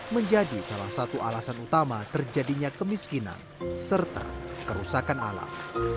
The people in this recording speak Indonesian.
menjadi salah satu alasan utama terjadinya kemiskinan serta kerusakan alam